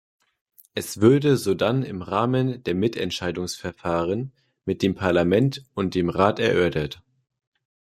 Es würde sodann im Rahmen der Mitentscheidungsverfahren mit dem Parlament und dem Rat erörtert.